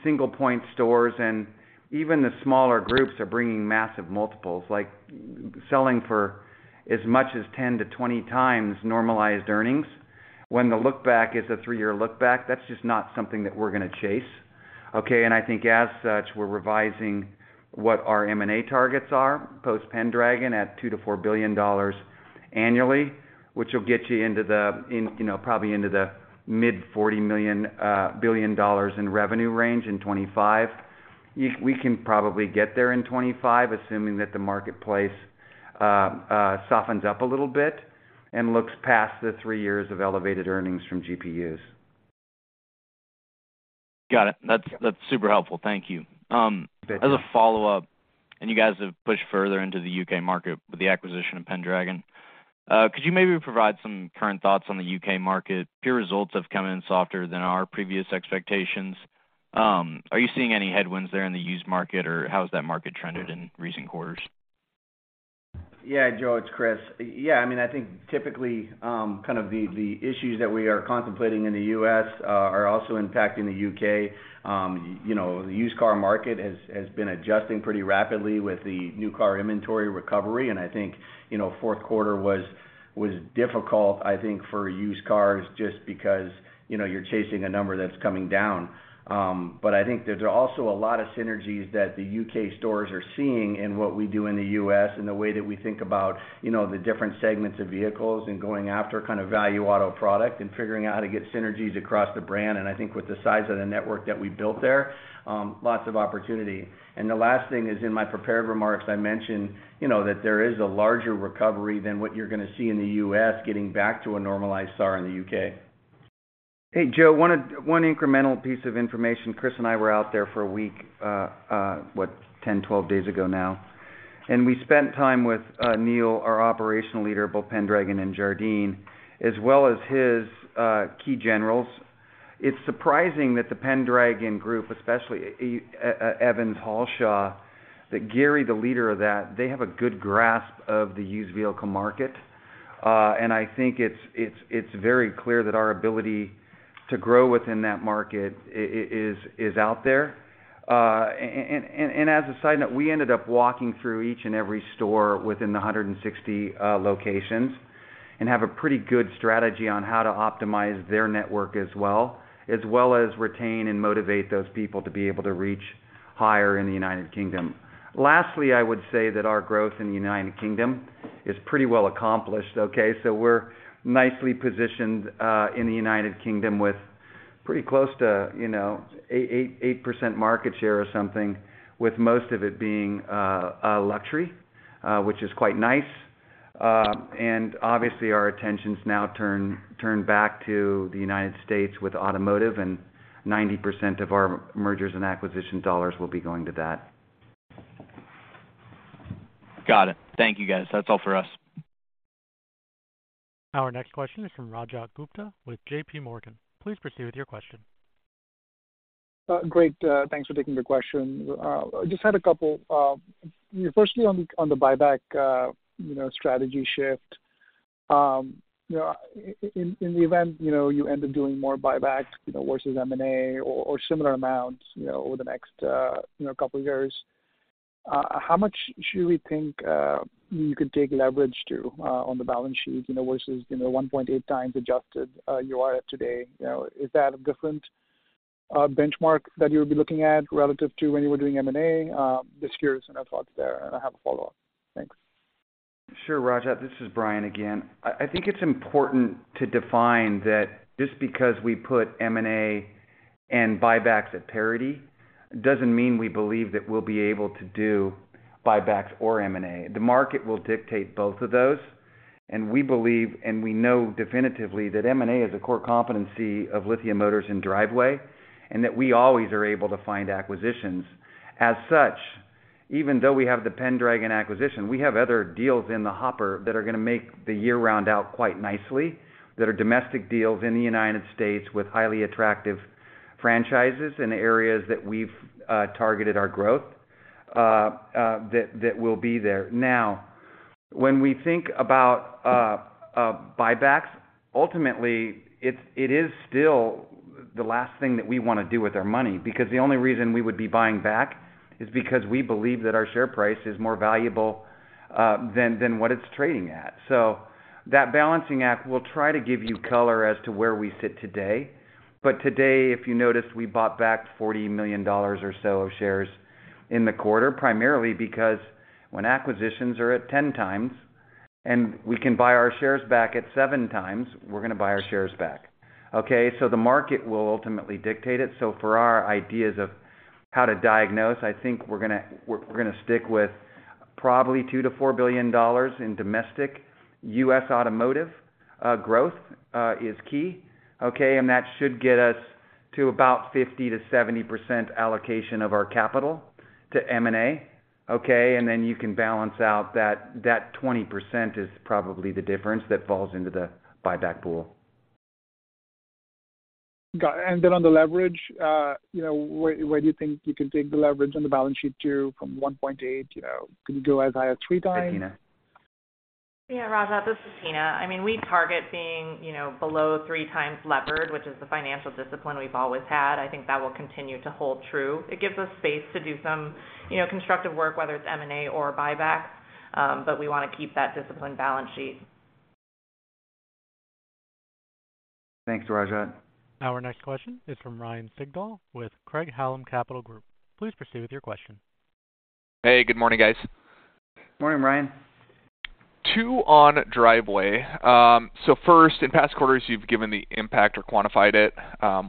single-point stores and even the smaller groups are bringing massive multiples, selling for as much as 10x-20x normalized earnings. When the lookback is a three-year lookback, that's just not something that we're going to chase. And I think as such, we're revising what our M&A targets are post-Pendragon at $2 billion-$4 billion annually, which will get you probably into the mid-$40 billion in revenue range in 2025. We can probably get there in 2025 assuming that the marketplace softens up a little bit and looks past the three years of elevated earnings from GPUs. Got it. That's super helpful. Thank you. As a follow-up, and you guys have pushed further into the U.K. market with the acquisition of Pendragon, could you maybe provide some current thoughts on the U.K. market? Poor results have come in softer than our previous expectations. Are you seeing any headwinds there in the used market, or how has that market trended in recent quarters? Yeah, Joe. It's Chris. Yeah. I mean, I think typically, kind of the issues that we are contemplating in the U.S. are also impacting the U.K. The used car market has been adjusting pretty rapidly with the new car inventory recovery. And I think fourth quarter was difficult, I think, for used cars just because you're chasing a number that's coming down. But I think there's also a lot of synergies that the U.K. stores are seeing in what we do in the U.S. and the way that we think about the different segments of vehicles and going after kind of value auto product and figuring out how to get synergies across the brand. And I think with the size of the network that we built there, lots of opportunity. The last thing is, in my prepared remarks, I mentioned that there is a larger recovery than what you're going to see in the U.S. getting back to a normalized SAR in the U.K. Hey, Joe. One incremental piece of information. Chris and I were out there for a week, what, 10, 12 days ago now. And we spent time with Neil, our operational leader both Pendragon and Jardine, as well as his key generals. It's surprising that the Pendragon group, especially Evans Halshaw, that Gary, the leader of that, they have a good grasp of the used vehicle market. And I think it's very clear that our ability to grow within that market is out there. As a side note, we ended up walking through each and every store within the 160 locations and have a pretty good strategy on how to optimize their network as well, as well as retain and motivate those people to be able to reach higher in the United Kingdom. Lastly, I would say that our growth in the United Kingdom is pretty well accomplished. We're nicely positioned in the United Kingdom with pretty close to 8% market share or something, with most of it being luxury, which is quite nice. Obviously, our attention now turns back to the United States with automotive, and 90% of our mergers and acquisitions dollars will be going to that. Got it. Thank you, guys. That's all for us. Our next question is from Rajat Gupta with JPMorgan. Please proceed with your question. Great. Thanks for taking the question. I just had a couple. Firstly, on the buyback strategy shift, in the event you end up doing more buyback versus M&A or similar amounts over the next couple of years, how much should we think you could take leverage to on the balance sheet versus 1.8x adjusted you are at today? Is that a different benchmark that you would be looking at relative to when you were doing M&A? Just curious on our thoughts there, and I have a follow-up. Thanks. Sure, Rajat. This is Bryan again. I think it's important to define that just because we put M&A and buybacks at parity doesn't mean we believe that we'll be able to do buybacks or M&A. The market will dictate both of those. We know definitively that M&A is a core competency of Lithia Motors and Driveway and that we always are able to find acquisitions. As such, even though we have the Pendragon acquisition, we have other deals in the hopper that are going to make the year-round out quite nicely, that are domestic deals in the United States with highly attractive franchises in areas that we've targeted our growth that will be there. Now, when we think about buybacks, ultimately, it is still the last thing that we want to do with our money because the only reason we would be buying back is because we believe that our share price is more valuable than what it's trading at. So that balancing act will try to give you color as to where we sit today. But today, if you noticed, we bought back $40 million or so of shares in the quarter, primarily because when acquisitions are at 10x and we can buy our shares back at 7x, we're going to buy our shares back. So the market will ultimately dictate it. So for our ideas of how to diagnose, I think we're going to stick with probably $2 billion-$4 billion in domestic. U.S. automotive growth is key, and that should get us to about 50%-70% allocation of our capital to M&A. Then you can balance out that 20% is probably the difference that falls into the buyback pool. Got it. And then on the leverage, where do you think you can take the leverage on the balance sheet to from 1.8? Could you go as high as 3x? Tina. Yeah, Rajat. This is Tina. I mean, we target being below three times leverage, which is the financial discipline we've always had. I think that will continue to hold true. It gives us space to do some constructive work, whether it's M&A or buyback, but we want to keep that disciplined balance sheet. Thanks, Rajat. Our next question is from Ryan Sigdahl with Craig-Hallum Capital Group. Please proceed with your question. Hey. Good morning, guys. Morning, Ryan. Two on Driveway. First, in past quarters, you've given the impact or quantified it,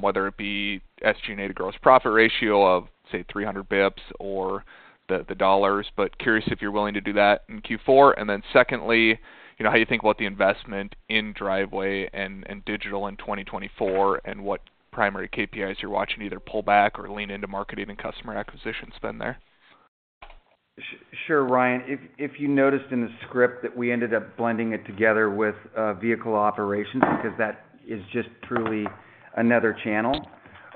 whether it be SG&A to gross profit ratio of, say, 300 basis points or the dollars, but curious if you're willing to do that in Q4. And then secondly, how you think about the investment in Driveway and digital in 2024 and what primary KPIs you're watching either pull back or lean into marketing and customer acquisition spend there. Sure, Ryan. If you noticed in the script that we ended up blending it together with vehicle operations because that is just truly another channel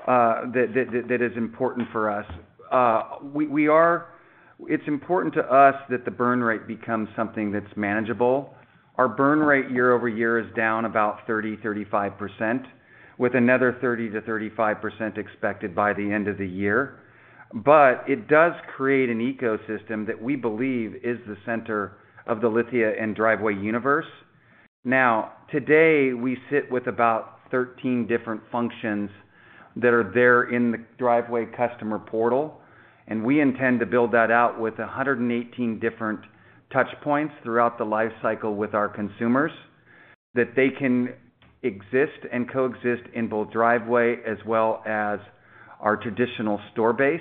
that is important for us. It's important to us that the burn rate becomes something that's manageable. Our burn rate year-over-year is down about 30%-35%, with another 30%-35% expected by the end of the year. But it does create an ecosystem that we believe is the center of the Lithia and Driveway universe. Now, today, we sit with about 13 different functions that are there in the Driveway customer portal, and we intend to build that out with 118 different touchpoints throughout the lifecycle with our consumers that they can exist and coexist in both Driveway as well as our traditional store base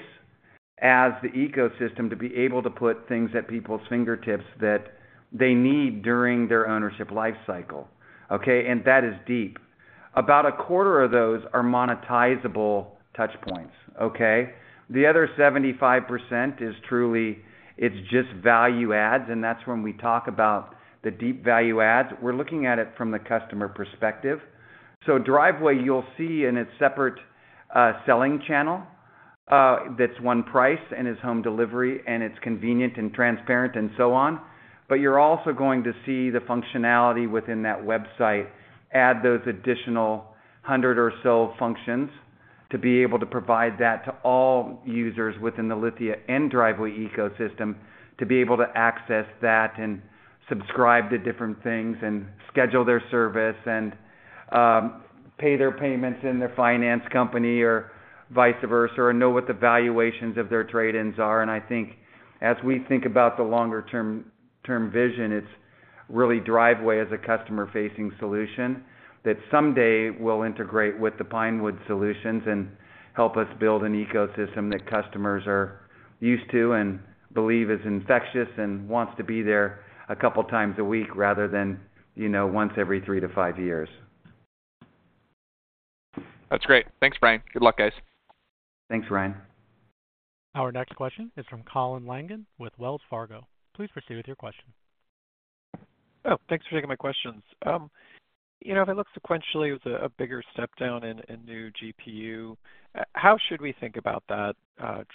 as the ecosystem to be able to put things at people's fingertips that they need during their ownership lifecycle. And that is deep. About a quarter of those are monetizable touchpoints. The other 75% is truly it's just value ads, and that's when we talk about the deep value ads. We're looking at it from the customer perspective. So Driveway, you'll see in its separate selling channel that's one price and is home delivery, and it's convenient and transparent and so on. But you're also going to see the functionality within that website add those additional 100 or so functions to be able to provide that to all users within the Lithia and Driveway ecosystem to be able to access that and subscribe to different things and schedule their service and pay their payments in their finance company or vice versa or know what the valuations of their trade-ins are. And I think as we think about the longer-term vision, it's really Driveway as a customer-facing solution that someday will integrate with the Pinewood Solutions and help us build an ecosystem that customers are used to and believe is infectious and wants to be there a couple of times a week rather than once every 3-5 years. That's great. Thanks, Bryan. Good luck, guys. Thanks, Ryan. Our next question is from Colin Langan with Wells Fargo. Please proceed with your question. Oh, thanks for taking my questions. If it looks sequentially, it was a bigger step down in new GPU. How should we think about that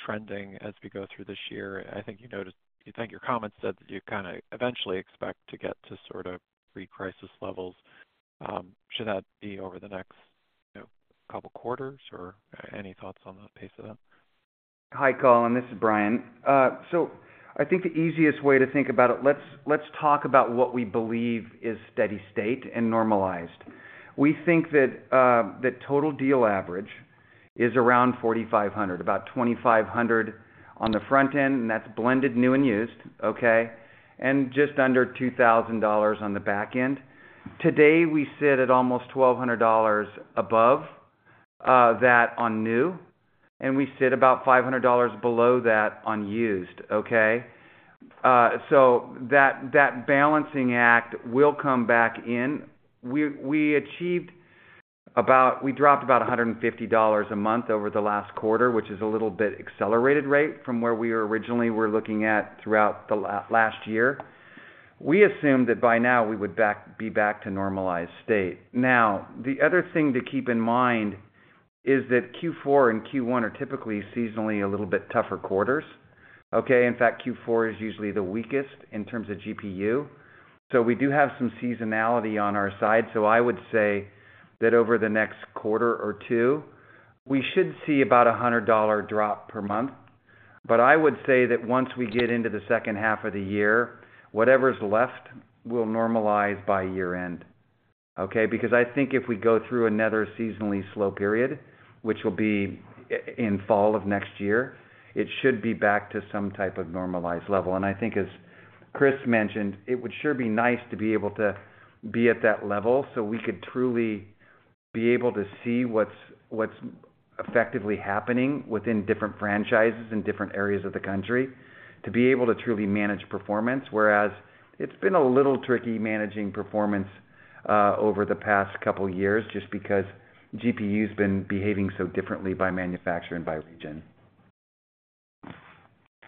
trending as we go through this year? I think you noticed I think your comments said that you kind of eventually expect to get to sort of pre-crisis levels. Should that be over the next couple of quarters, or any thoughts on that pace of that? Hi, Colin. This is Bryan. So I think the easiest way to think about it, let's talk about what we believe is steady state and normalized. We think that total deal average is around 4,500, about 2,500 on the front end, and that's blended new and used, and just under $2,000 on the back end. Today, we sit at almost $1,200 above that on new, and we sit about $500 below that on used. So that balancing act will come back in. We dropped about $150 a month over the last quarter, which is a little bit accelerated rate from where we originally were looking at throughout the last year. We assumed that by now, we would be back to normalized state. Now, the other thing to keep in mind is that Q4 and Q1 are typically seasonally a little bit tougher quarters. In fact, Q4 is usually the weakest in terms of GPU. So we do have some seasonality on our side. So I would say that over the next quarter or two, we should see about a $100 drop per month. But I would say that once we get into the second half of the year, whatever's left will normalize by year-end because I think if we go through another seasonally slow period, which will be in fall of next year, it should be back to some type of normalized level. I think, as Chris mentioned, it would sure be nice to be able to be at that level so we could truly be able to see what's effectively happening within different franchises in different areas of the country, to be able to truly manage performance, whereas it's been a little tricky managing performance over the past couple of years just because GPU's been behaving so differently by manufacturer and by region.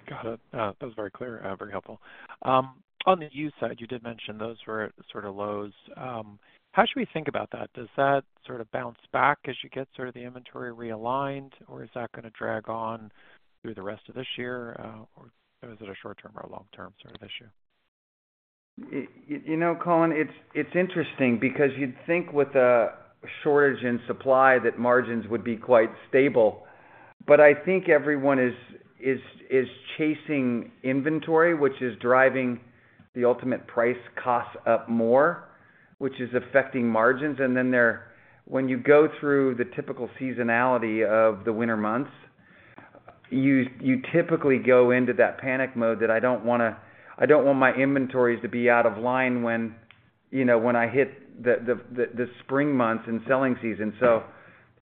Got it. That was very clear, very helpful. On the use side, you did mention those were sort of lows. How should we think about that? Does that sort of bounce back as you get sort of the inventory realigned, or is that going to drag on through the rest of this year, or is it a short-term or a long-term sort of issue? Colin, it's interesting because you'd think with a shortage in supply, that margins would be quite stable. But I think everyone is chasing inventory, which is driving the ultimate price costs up more, which is affecting margins. And then when you go through the typical seasonality of the winter months, you typically go into that panic mode that, "I don't want to I don't want my inventories to be out of line when I hit the spring months and selling season." So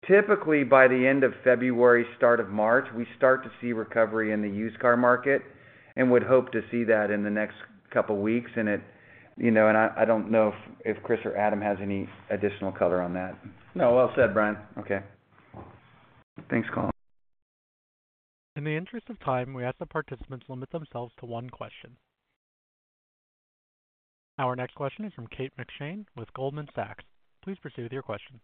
typically, by the end of February, start of March, we start to see recovery in the used car market and would hope to see that in the next couple of weeks. And I don't know if Chris or Adam has any additional color on that. No, well said, Bryan. Okay. Thanks, Colin. In the interest of time, we ask that participants limit themselves to one question. Our next question is from Kate McShane with Goldman Sachs. Please proceed with your question.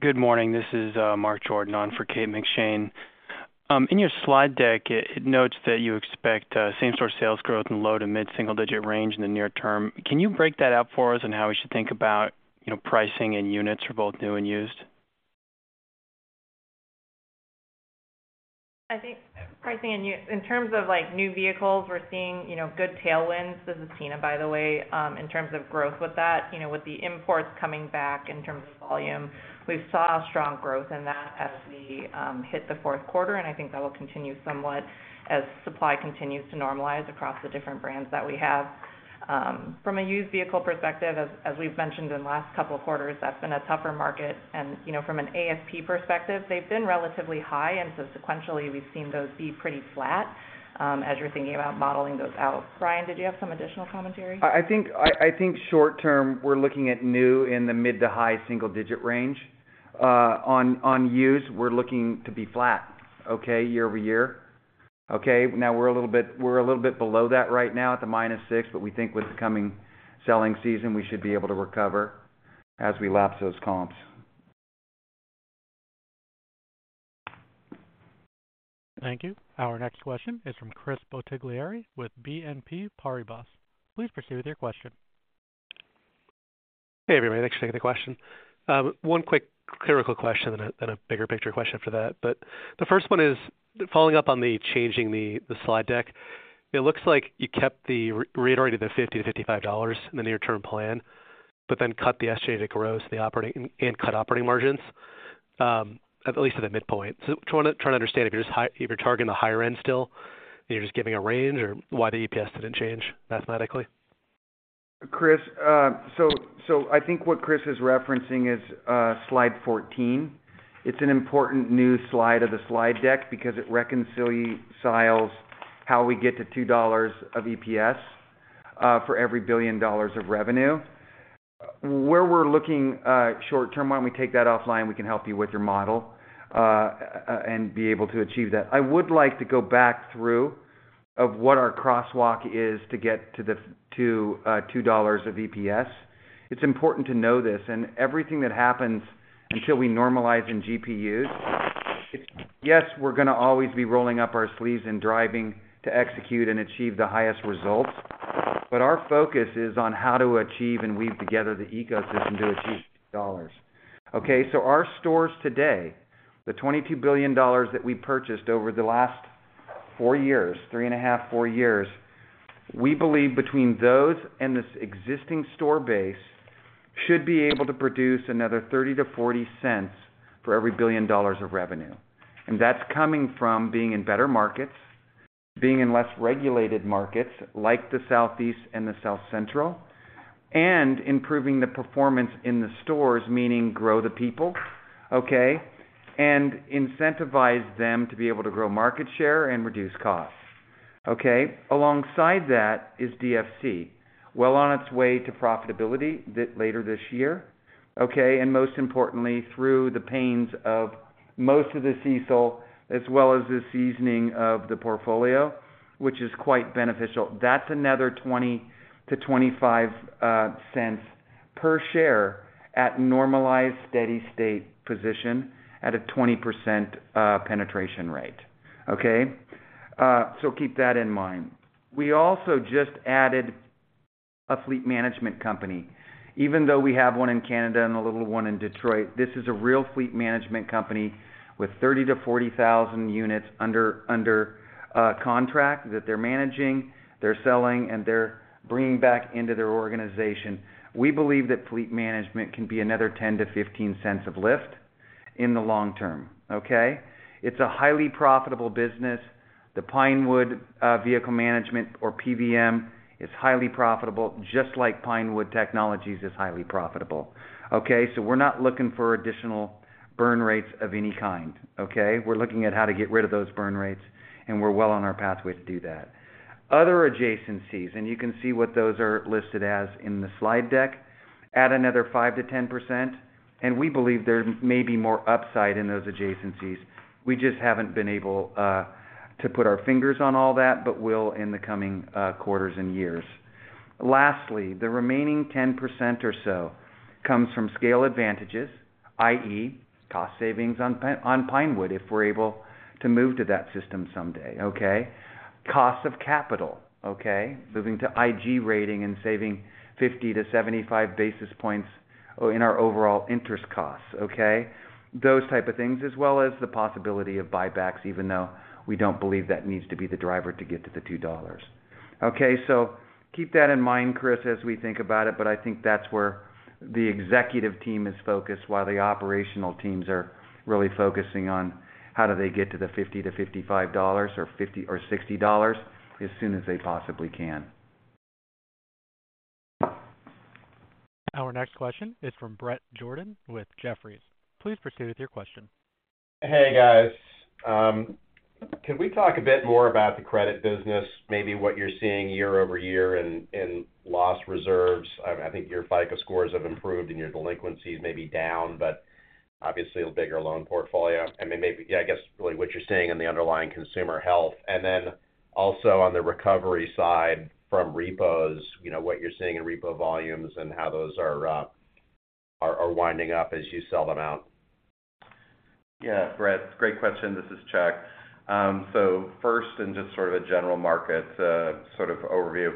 Good morning. This is Mark Jordan on for Kate McShane. In your slide deck, it notes that you expect same-store sales growth in low to mid-single-digit range in the near term. Can you break that out for us on how we should think about pricing and units for both new and used? I think pricing and in terms of new vehicles, we're seeing good tailwinds. This is Tina, by the way, in terms of growth with that, with the imports coming back in terms of volume. We saw strong growth in that as we hit the fourth quarter, and I think that will continue somewhat as supply continues to normalize across the different brands that we have. From a used vehicle perspective, as we've mentioned in the last couple of quarters, that's been a tougher market. And from an ASP perspective, they've been relatively high, and so sequentially, we've seen those be pretty flat as you're thinking about modeling those out. Bryan, did you have some additional commentary? I think short-term, we're looking at new in the mid- to high single-digit range. On used, we're looking to be flat year-over-year. Now, we're a little bit below that right now at the -6%, but we think with the coming selling season, we should be able to recover as we lapse those comps. Thank you. Our next question is from Chris Bottiglieri with BNP Paribas. Please proceed with your question. Hey, everybody. Thanks for taking the question. One quick clerical question and then a bigger picture question after that. But the first one is following up on the changing the slide deck. It looks like you kept the reiterated the $50-$55 in the near-term plan but then cut the estimated growth and cut operating margins, at least at the midpoint. So trying to understand if you're targeting the higher end still and you're just giving a range, or why the EPS didn't change mathematically. Chris, so I think what Chris is referencing is slide 14. It's an important new slide of the slide deck because it reconciles how we get to $2 of EPS for every $1 billion of revenue. Where we're looking short-term, why don't we take that offline? We can help you with your model and be able to achieve that. I would like to go back through what our crosswalk is to get to the $2 of EPS. It's important to know this, and everything that happens until we normalize in GPUs, yes, we're going to always be rolling up our sleeves and driving to execute and achieve the highest results. But our focus is on how to achieve and weave together the ecosystem to achieve dollars. So our stores today, the $22 billion that we purchased over the last 4 years, 3.5, 4 years, we believe between those and this existing store base should be able to produce another $0.30-$0.40 for every $1 billion of revenue. And that's coming from being in better markets, being in less regulated markets like the Southeast and the South Central, and improving the performance in the stores, meaning grow the people and incentivize them to be able to grow market share and reduce costs. Alongside that is DFC, well on its way to profitability later this year, and most importantly, through the pains of most of the CECL as well as the seasoning of the portfolio, which is quite beneficial. That's another $0.20-$0.25 per share at normalized steady state position at a 20% penetration rate. So keep that in mind. We also just added a fleet management company. Even though we have one in Canada and a little one in Detroit, this is a real fleet management company with 30,000-40,000 units under contract that they're managing, they're selling, and they're bringing back into their organization. We believe that fleet management can be another $0.10-$0.15 of lift in the long term. It's a highly profitable business. The Pinewood Vehicle Management, or PVM, is highly profitable, just like Pinewood Technologies is highly profitable. So we're not looking for additional burn rates of any kind. We're looking at how to get rid of those burn rates, and we're well on our pathway to do that. Other adjacencies, and you can see what those are listed as in the slide deck, add another 5%-10%. We believe there may be more upside in those adjacencies. We just haven't been able to put our fingers on all that, but will in the coming quarters and years. Lastly, the remaining 10% or so comes from scale advantages, i.e., cost savings on Pinewood if we're able to move to that system someday, cost of capital, moving to IG rating and saving 50-75 basis points in our overall interest costs, those type of things, as well as the possibility of buybacks, even though we don't believe that needs to be the driver to get to the $2. So keep that in mind, Chris, as we think about it. But I think that's where the executive team is focused while the operational teams are really focusing on how do they get to the $50-$55 or $60 as soon as they possibly can. Our next question is from Bret Jordan with Jefferies. Please proceed with your question. Hey, guys. Can we talk a bit more about the credit business, maybe what you're seeing year-over-year in lost reserves? I think your FICO scores have improved, and your delinquencies may be down, but obviously, a bigger loan portfolio. And then maybe, yeah, I guess really what you're seeing in the underlying consumer health. And then also on the recovery side from repos, what you're seeing in repo volumes and how those are winding up as you sell them out. Yeah, Brett, great question. This is Chuck. So first, and just sort of a general market sort of overview,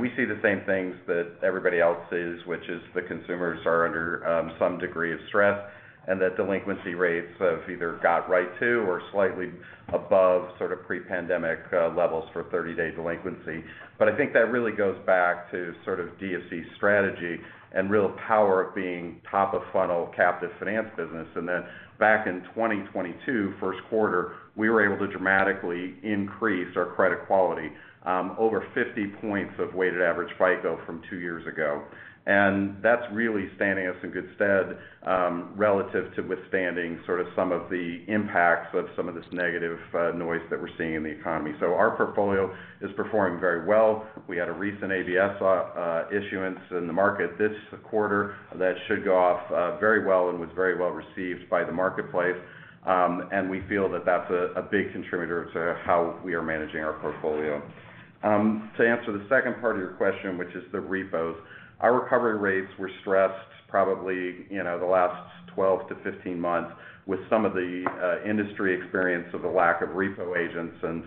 we see the same things that everybody else sees, which is the consumers are under some degree of stress and that delinquency rates have either got right to or slightly above sort of pre-pandemic levels for 30-day delinquency. But I think that really goes back to sort of DFC's strategy and real power of being top-of-funnel captive finance business. And then back in 2022, first quarter, we were able to dramatically increase our credit quality over 50 points of weighted average FICO from two years ago. And that's really standing us in good stead relative to withstanding sort of some of the impacts of some of this negative noise that we're seeing in the economy. So our portfolio is performing very well. We had a recent ABS issuance in the market this quarter that should go off very well and was very well received by the marketplace. We feel that that's a big contributor to how we are managing our portfolio. To answer the second part of your question, which is the repos, our recovery rates were stressed probably the last 12-15 months with some of the industry experience of the lack of repo agents and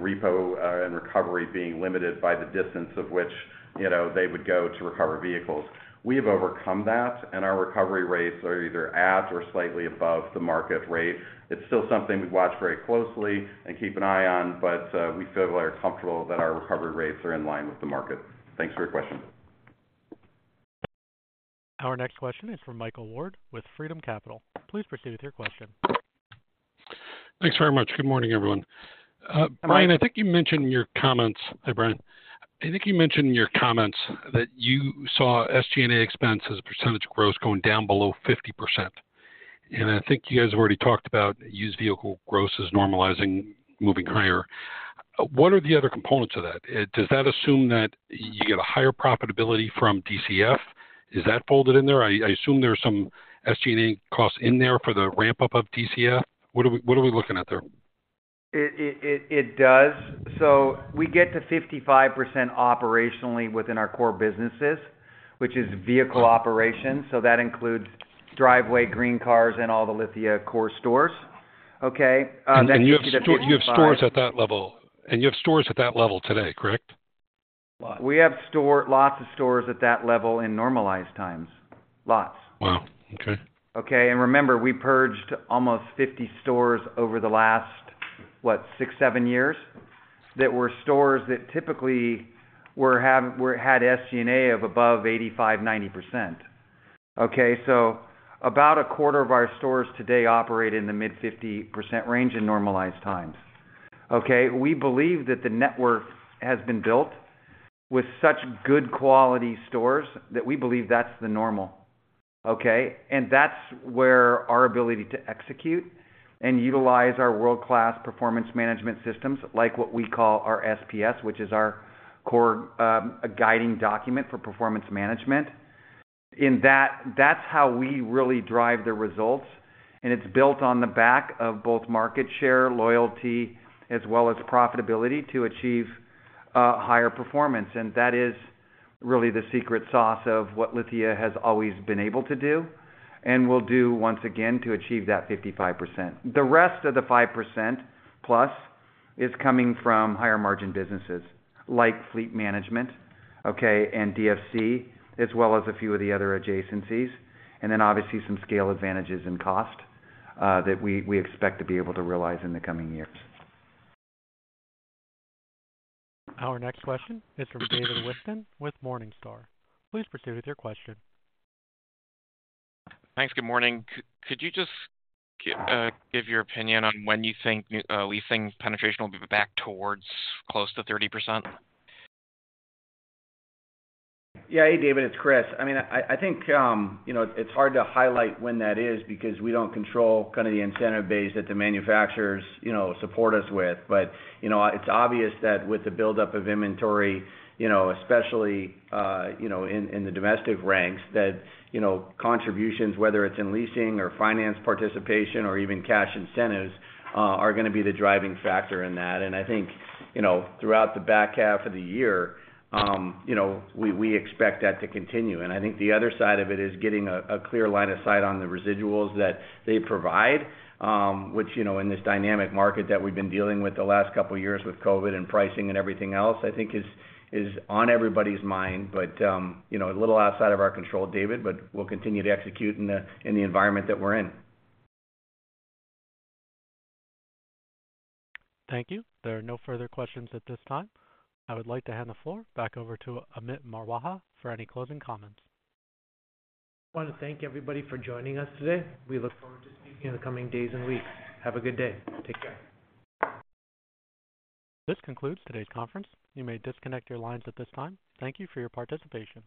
repo and recovery being limited by the distance of which they would go to recover vehicles. We have overcome that, and our recovery rates are either at or slightly above the market rate. It's still something we watch very closely and keep an eye on, but we feel very comfortable that our recovery rates are in line with the market. Thanks for your question. Our next question is from Michael Ward with Freedom Capital. Please proceed with your question. Thanks very much. Good morning, everyone. Bryan, I think you mentioned in your comments—hi, Bryan. I think you mentioned in your comments that you saw SG&A expense as a percentage of gross going down below 50%. And I think you guys have already talked about used vehicle gross as normalizing, moving higher. What are the other components of that? Does that assume that you get a higher profitability from DFC? Is that folded in there? I assume there's some SG&A costs in there for the ramp-up of DFC. What are we looking at there? It does. We get to 55% operationally within our core businesses, which is vehicle operations. That includes Driveway, GreenCars, and all the Lithia core stores. And you have stores at that level. And you have stores at that level today, correct? We have lots of stores at that level in normalized times, lots. Wow. Okay. Remember, we purged almost 50 stores over the last, what, six, seven years that were stores that typically had SG&A of above 85%-90%. About a quarter of our stores today operate in the mid-50% range in normalized times. We believe that the network has been built with such good quality stores that we believe that's the normal. That's where our ability to execute and utilize our world-class performance management systems, like what we call our SPS, which is our core guiding document for performance management. That's how we really drive the results. It's built on the back of both market share, loyalty, as well as profitability to achieve higher performance. That is really the secret sauce of what Lithia has always been able to do and will do once again to achieve that 55%. The rest of the 5%+ is coming from higher-margin businesses like fleet management and DFC, as well as a few of the other adjacencies, and then obviously some scale advantages and cost that we expect to be able to realize in the coming years. Our next question is from David Whiston with Morningstar. Please proceed with your question. Thanks. Good morning. Could you just give your opinion on when you think leasing penetration will be back toward close to 30%? Yeah. Hey, David. It's Chris. I mean, I think it's hard to highlight when that is because we don't control kind of the incentive base that the manufacturers support us with. But it's obvious that with the buildup of inventory, especially in the domestic ranks, that contributions, whether it's in leasing or finance participation or even cash incentives, are going to be the driving factor in that. And I think throughout the back half of the year, we expect that to continue. And I think the other side of it is getting a clear line of sight on the residuals that they provide, which in this dynamic market that we've been dealing with the last couple of years with COVID and pricing and everything else, I think is on everybody's mind, but a little outside of our control, David, but we'll continue to execute in the environment that we're in. Thank you. There are no further questions at this time. I would like to hand the floor back over to Amit Marwaha for any closing comments. I want to thank everybody for joining us today. We look forward to speaking in the coming days and weeks. Have a good day. Take care. This concludes today's conference. You may disconnect your lines at this time. Thank you for your participation.